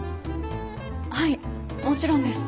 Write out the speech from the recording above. はいもちろんです。